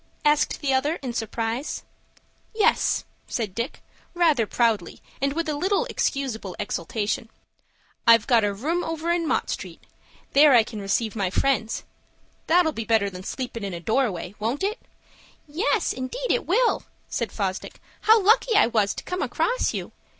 asked the other, in surprise. "Yes," said Dick, rather proudly, and with a little excusable exultation. "I've got a room over in Mott Street; there I can receive my friends. That'll be better than sleepin' in a door way,—won't it?" "Yes, indeed it will," said Fosdick. "How lucky I was to come across you!